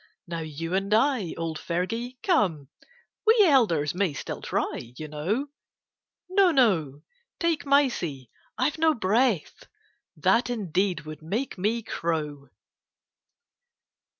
Now you and I, old Fergie, come, We elders may still try, you know, No, no ! take Mysie, I've no breath, That indeed would make me crow